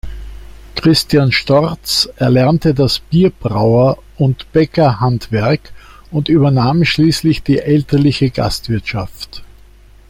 Christian Storz erlernte das Bierbrauer- und Bäckerhandwerk und übernahm schließlich die elterliche Gastwirtschaft.